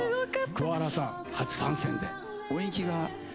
桑原さん初参戦で。